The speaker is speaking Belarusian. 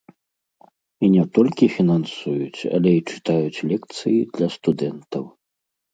І не толькі фінансуюць, але і чытаюць лекцыі для студэнтаў.